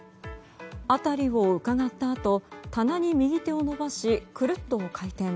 辺りをうかがったあと棚に右手を伸ばしくるっと回転。